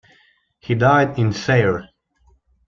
He died in Sayre.